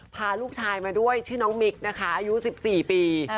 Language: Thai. พาลูกชายมาด้วยชื่อน้องมิกนะคะอายุ๑๔ปี